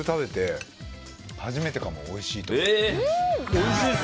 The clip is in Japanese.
おいしいです。